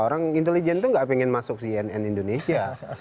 orang intelijen itu enggak ingin masuk cnn indonesia